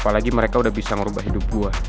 apalagi mereka udah bisa merubah hidup gue